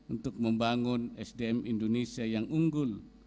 untuk membangun sdm indonesia yang unggul